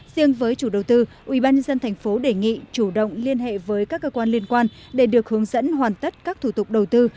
riêng với chủ đầu tư quỹ ban nhân dân tp hcm đề nghị chủ động liên hệ với các cơ quan liên quan để được hướng dẫn hoàn tất các thủ tục đầu tư